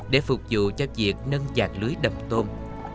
để phục vụ cho việc nâng giạc lưới đầm tôm